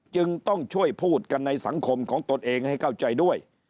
จึงต้องช่วยพูดกันในสังคมของตนเองให้เข้าใจด้วย